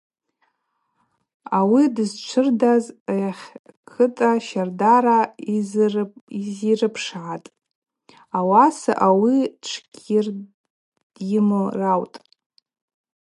Ауи дызчвырдаз йахӏ Кӏытӏа щардара йзирыпшгӏатӏ, ауаса ауи тшгьдйымраутӏ.